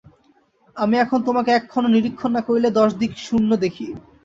আমি এখন তোমাকে এক ক্ষণ নিরীক্ষণ না করিলে দশ দিক শূন্য দেখি।